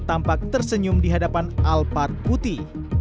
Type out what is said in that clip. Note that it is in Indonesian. tampak tersenyum di hadapan alphard putih